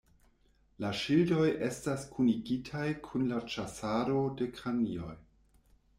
La ŝildoj estas kunigitaj kun la ĉasado de kranioj.